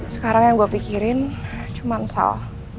sekarang yang gue pikirin cuma sal